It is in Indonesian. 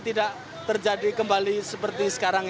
tidak terjadi kembali seperti sekarang